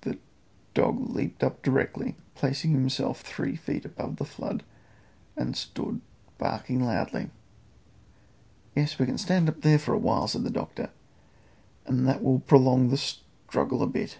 The dog leaped up directly, placing himself three feet above the flood, and stood barking loudly. "Yes, we can stand up there for a while," said the doctor, "and that will prolong the struggle a bit.